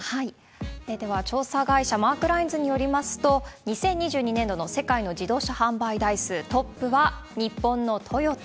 では、調査会社、マークラインズによりますと、２０２２年度の世界の自動車販売台数、トップは日本のトヨタ。